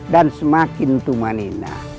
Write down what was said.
dan semakin tumanina